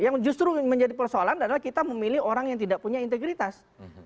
yang justru menjadi persoalan adalah kita memilih orang yang tidak punya integritas